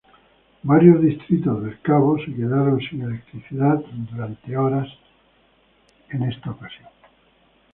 Varios distritos del Cabo se quedaron sin electricidad durante horas en esta ocasión.